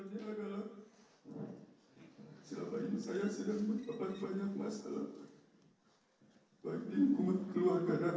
yang sebenarnya adalah selama ini saya sedang menyebabkan banyak masalah